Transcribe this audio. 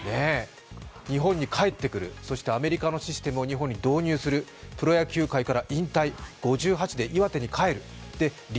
日本に帰ってくる、そしてアメリカのシステムを日本に導入する、プロ野球界から引退、５８で岩手に帰る。